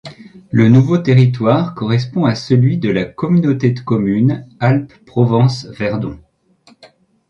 Le nouveau territoire correspond à celui de la Communauté de communes Alpes Provence Verdon.